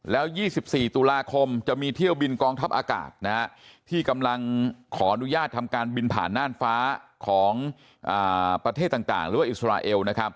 แล้ว๒๔ตุลาคมจะมีเที่ยวบินกองทัพอากาศที่กำลังขออนุญาตทำการบินผ่านน่านฟ้าของประเทศต่างหรือว่าอิสราเอล